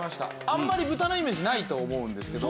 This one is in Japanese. あんまり豚のイメージないと思うんですけど。